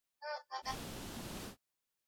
kuwa ya aibu Na ikiwa mtu atarudi baada